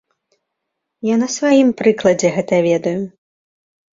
Я на сваім прыкладзе гэта ведаю.